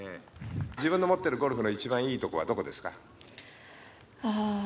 自分の持っているゴルフの一番いいところはどこですか？